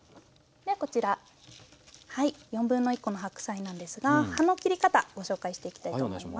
ではこちらはい1/4コの白菜なんですが葉の切り方ご紹介していきたいと思います。